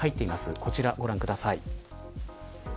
こちら、ご覧ください。